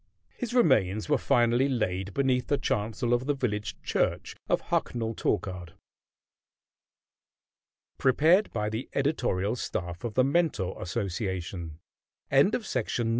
His remains were finally laid beneath the chancel of the village church of Hucknall Torkard. PREPARED BY THE EDITORIAL STAFF OF THE MENTOR ASSOCIATION ILLUSTRATION FOR THE MENTOR, VOL. 1. No.